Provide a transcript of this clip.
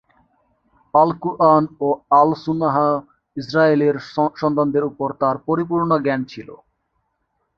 আল-কুরআন ও আল-সুন্নাহয় ইস্রায়েলের সন্তানদের উপর তার পরিপূর্ণ জ্ঞান ছিল।